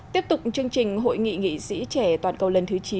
tiếp tục chương trình hội nghị nghị sĩ trẻ toàn cầu lần thứ chín